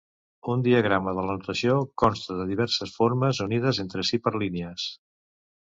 Un diagrama de la notació consta de diverses formes unides entre si per línies.